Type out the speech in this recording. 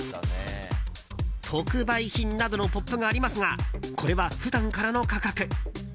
特売品などのポップがありますがこれは普段からの価格。